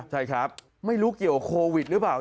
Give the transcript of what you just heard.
ใช่ครับไม่รู้เกี่ยวกับโควิดหรือเปล่า